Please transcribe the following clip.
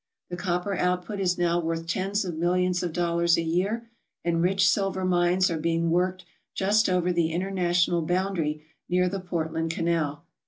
The copper output is now worth tens of millions of dollars a year, and rich silver mines are being worked just over the international boundary near the Portland Canal.